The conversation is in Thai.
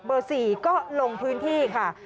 เบอร์๔ก็ลงพื้นที่ค่ะ